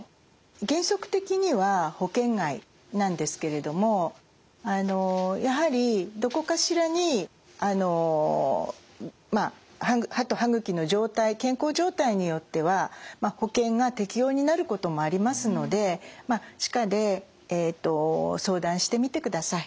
原則的には保険外なんですけれどもやはりどこかしらにあのまあ歯と歯茎の状態健康状態によっては保険が適用になることもありますので歯科で相談してみてください。